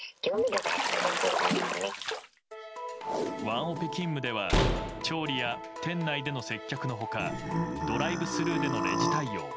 ワンオペ勤務では調理や店内での接客の他ドライブスルーでのレジ対応